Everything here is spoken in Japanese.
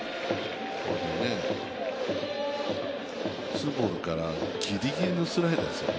ツーボールからギリギリのスライダーですよ。